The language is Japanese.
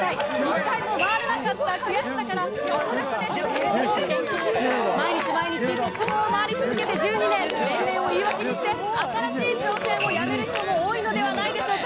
一回も回れなかった悔しさから、毎日毎日鉄棒を回り続けて１２年、年齢を言い訳にして、新しい挑戦をやめる人も多いのではないでしょうか。